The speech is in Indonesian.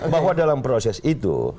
bahwa dalam proses itu